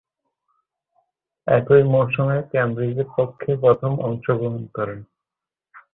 একই মৌসুমে কেমব্রিজের পক্ষে প্রথম অংশগ্রহণ করেন।